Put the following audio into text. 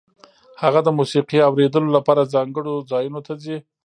هغه د موسیقۍ اورېدو لپاره ځانګړو ځایونو ته ځي